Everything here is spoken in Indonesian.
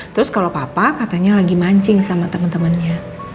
terus kalau papa katanya lagi mancing sama temen temennya